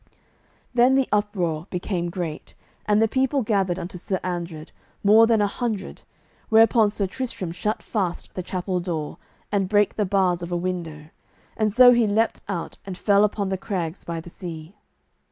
Then the uproar became great, and the people gathered unto Sir Andred, more than a hundred, whereupon Sir Tristram shut fast the chapel door, and brake the bars of a window, and so he leaped out and fell upon the crags by the sea.